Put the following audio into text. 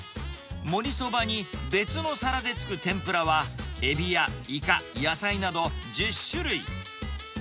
もりそばに別の皿でつく天ぷらは、エビやイカ、野菜など１０種類。